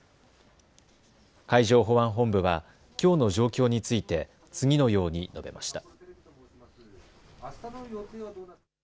海上保安本部はきょうの状況について次のように述べました。